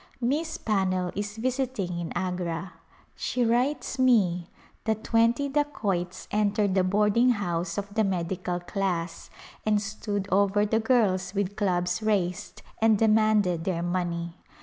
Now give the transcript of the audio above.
Miss Pannell is visiting in Agra. She writes me that twenty dacoits entered the boarding house of the medical class, and stood over the girls with clubs raised and demanded their money.